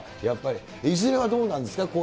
やっぱり、いずれはどうなんですか？